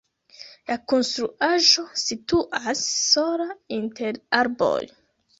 La konstruaĵo situas sola inter arboj.